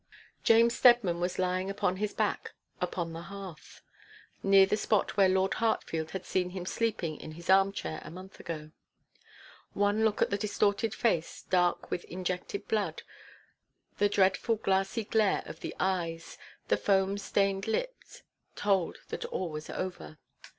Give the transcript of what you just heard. James Steadman was lying upon his back upon the hearth, near the spot were Lord Hartfield had seen him sleeping in his arm chair a month ago. One look at the distorted face, dark with injected blood, the dreadful glassy glare of the eyes, the foam stained lips, told that all was over.